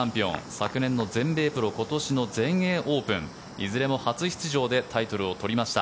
昨年の全米プロ今年の全英オープンいずれも初出場でタイトルを取りました。